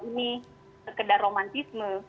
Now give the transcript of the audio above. ini sekedar romantisme